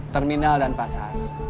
terminal dan pasar